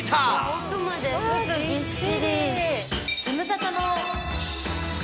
奥まで服ぎっしり。